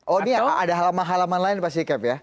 oh ini ada halaman halaman lain pasti cap ya